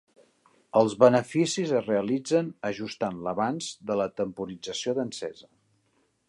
Els beneficis es realitzen ajustant l'avanç de la temporització d'encesa.